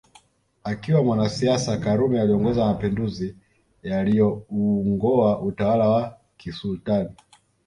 Akiwa mwanasiasa karume aliongoza mapinduzi yalioungoa utawala wa kisultan